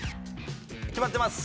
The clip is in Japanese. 決まってます！